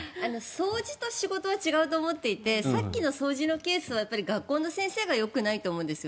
掃除と仕事は違うと思っていてさっきの掃除のケースは学校の先生がよくないと思うんです。